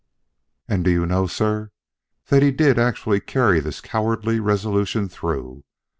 "And do you know, sir, that he did actually carry this cowardly resolution through.